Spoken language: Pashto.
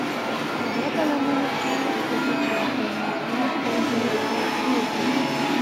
د غره په لمنو کې د پکنیک پر مهال خپل ځای پاک پرېږدئ.